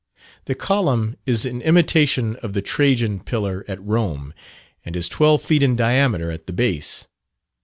The column is in imitation of the Trajan pillar at Rome, and is twelve feet in diameter at the base.